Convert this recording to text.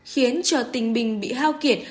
khiến cho tình bình bị hao kiệt